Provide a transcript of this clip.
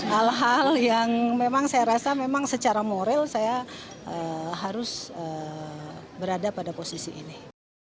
hal hal yang memang saya rasa memang secara moral saya harus berada pada posisi ini